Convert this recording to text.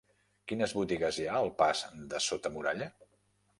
Quines botigues hi ha al pas de Sota Muralla?